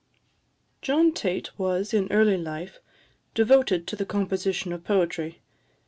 John Tait was, in early life, devoted to the composition of poetry.